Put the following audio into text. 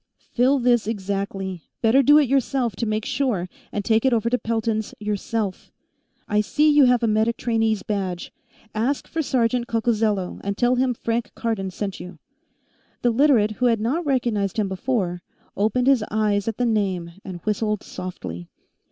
"Fill this exactly; better do it yourself, to make sure, and take it over to Pelton's yourself. I see you have a medic trainee's badge. Ask for Sergeant Coccozello, and tell him Frank Cardon sent you." The Literate, who had not recognized him before, opened his eyes at the name and whistled softly.